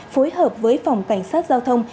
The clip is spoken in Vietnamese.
phối hợp với phòng cảnh sát giao thông